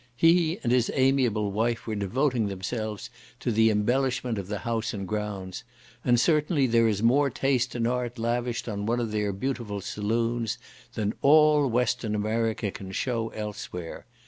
He and his amiable wife were devoting themselves to the embellishment of the house and grounds; and certainly there is more taste and art lavished on one of their beautiful saloons, than all Western America can show elsewhere.